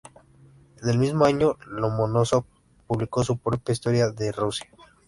En el mismo año Lomonósov publicó su propia historia de Rusia.